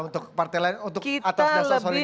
untuk partai lain untuk atas dasar soliditas